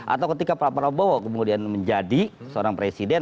atau ketika pak prabowo kemudian menjadi seorang presiden